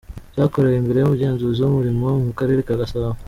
Byakorewe imbere y’umugenzuzi w’umurimo mu karere ka Gasabo.